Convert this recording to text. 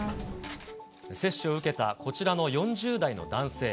接種を受けたこちらの４０代の男性。